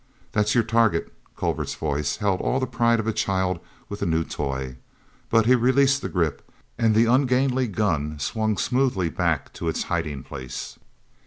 "That's your target." Culver's voice held all the pride of a child with a new toy, but he released the grip, and the ungainly gun swung smoothly back to its hiding place.